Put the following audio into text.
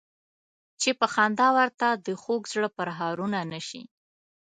چې په خندا ورته د خوږ زړه پرهارونه نه شي.